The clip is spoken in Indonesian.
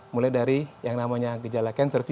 mulai dari yang namanya gejala cancer fever